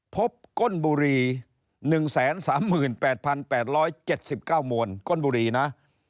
พบก้นบุหรี่๑๓๘๘๗๙โมนก้นบุหรี่นะ